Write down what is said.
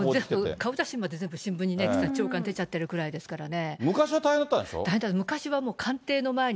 顔写真まで全部、新聞にね、朝刊出ちゃってるぐらいですからね。